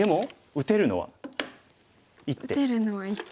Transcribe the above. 打てるのは１手。